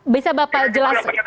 bisa bapak jelas